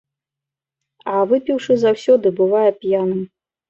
А выпіўшы заўсёды бывае п'яным.